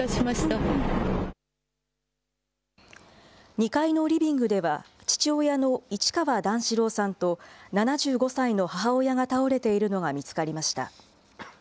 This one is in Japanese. ２階のリビングでは、父親の市川段四郎さんと７５歳の母親が倒れているのが見つかりました。